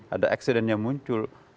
ada aksiden yang muncul